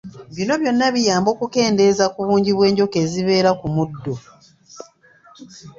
Bino byonna biyamba okukendeeza ku bungi bw’enjoka ezibeera ku muddo.